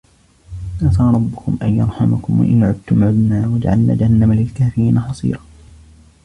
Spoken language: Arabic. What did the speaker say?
عَسَى رَبُّكُمْ أَنْ يَرْحَمَكُمْ وَإِنْ عُدْتُمْ عُدْنَا وَجَعَلْنَا جَهَنَّمَ لِلْكَافِرِينَ حَصِيرًا